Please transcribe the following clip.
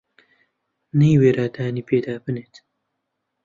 نەیوێرا دانی پێدا بنێت